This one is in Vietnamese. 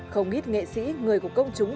không ít nghệ sĩ người của công chúng